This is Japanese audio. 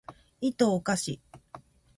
いとをかし